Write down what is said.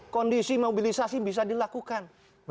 kondisi mobilisasi bisa dilakukan